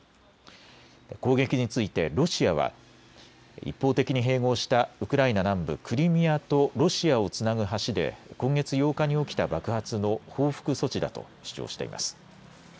攻撃についてロシアは、一方的に併合したウクライナ南部クリミアとロシアをつなぐ橋で今月８日に起きた爆発の報復措置だと主張しています。